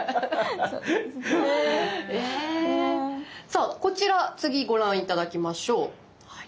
さあこちら次ご覧頂きましょう。